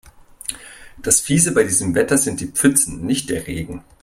Das Fiese bei diesem Wetter sind die Pfützen, nicht der Regen.